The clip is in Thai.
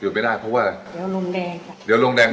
หยุดไม่ได้เพราะว่าอะไรเดี๋ยวลงแดง